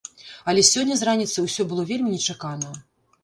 Але сёння з раніцы ўсё было вельмі нечакана.